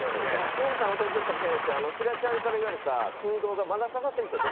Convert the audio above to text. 皆さん忘れてるかもしれないですけどすがちゃんから言われた「空洞」がまだ刺さってるんですよ